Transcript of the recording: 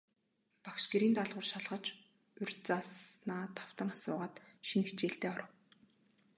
Багш гэрийн даалгавар шалгаж, урьд зааснаа давтан асуугаад, шинэ хичээлдээ оров.